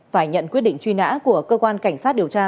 phải nhận quyết định truy nã của cơ quan cảnh sát điều tra